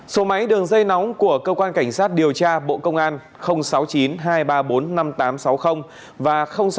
số máy đường dây nóng của cơ quan cảnh sát điều tra bộ công an sáu mươi chín hai trăm ba mươi bốn năm nghìn tám trăm sáu mươi và sáu mươi chín hai trăm ba mươi hai một nghìn sáu trăm bảy